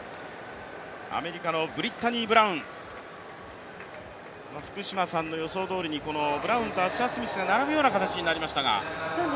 アメリカのブリッタニー・ブラウン福島さんの予想どおりにこのブラウンとアッシャースミスが並ぶような形になりましたが。